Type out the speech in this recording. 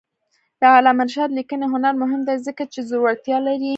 د علامه رشاد لیکنی هنر مهم دی ځکه چې زړورتیا لري.